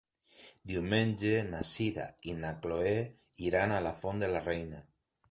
Diumenge na Sira i na Chloé iran a la Font de la Reina.